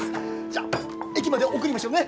じゃあ駅まで送りましょうね。